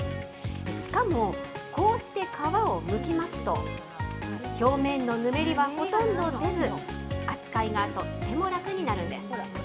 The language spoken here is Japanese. しかも、こうして皮をむきますと、表面のぬめりはほとんど出ず、扱いがとっても楽になるんです。